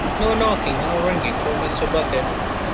No knocking or ringing for Mr. Bucket.